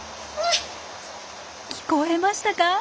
聞こえましたか？